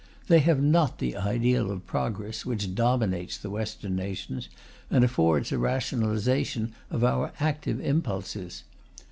They have not the ideal of progress which dominates the Western nations, and affords a rationalization of our active impulses.